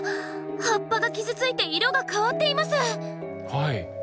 葉っぱが傷ついて色が変わっています。